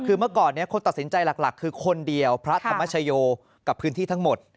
คือเมื่อก่อนคนตัดสินใจหลักคือคนเดียวพระธรรมชโยกับพื้นที่ทั้งหมด